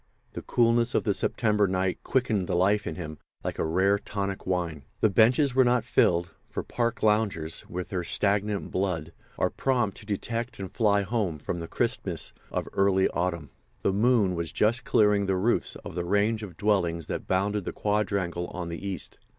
The coolness of the September night quickened the life in him like a rare, tonic wine. The benches were not filled; for park loungers, with their stagnant blood, are prompt to detect and fly home from the crispness of early autumn. The moon was just clearing the roofs of the range of dwellings that bounded the quadrangle on the east.